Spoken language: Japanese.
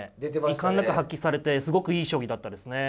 遺憾なく発揮されてすごくいい将棋だったですね。